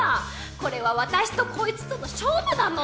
これは私とコイツとの勝負なの！